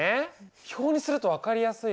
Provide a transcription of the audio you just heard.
表にすると分かりやすいわ。